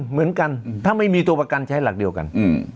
เหมือนกันถ้าไม่มีตัวประกันใช้หลักเดียวกัน